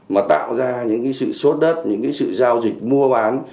mà tạo ra những cái sự sốt đất những cái sự giao dịch mua bán